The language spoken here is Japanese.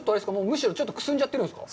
むしろちょっとくすんじゃってるんですか。